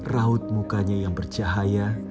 raut mukanya yang bercahaya